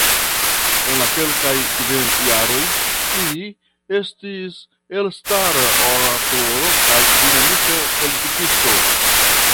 En la sekvaj kvin jaroj, li estis elstara oratoro kaj dinamika politikisto.